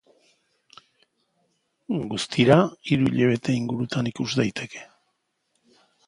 Guztira hiru hilabete ingurutan ikus daiteke.